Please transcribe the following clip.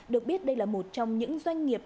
được biết đây là một trong những doanh nghiệp